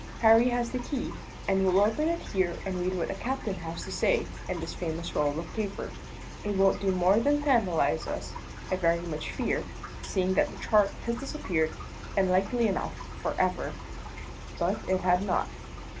Harry has the key, and we'll open it here and read what the captain has to say in this famous roll of paper. It won't do more than tantalize us, I very much fear, seeing that the chart has disappeared, and likely enough for ever." But it had not.